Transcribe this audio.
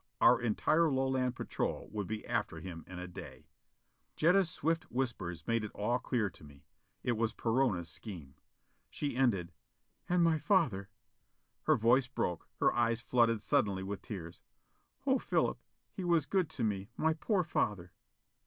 Our entire Lowland patrol would be after him in a day. Jetta's swift whispers made it all clear to me. It was Perona's scheme. She ended, "And my father " Her voice broke; her eyes flooded suddenly with tears "Oh, Philip, he was good to me, my poor father."